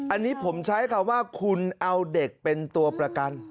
อันนี้ผมใช้คำว่าคุณเอาเด็กเป็นตัวประกัน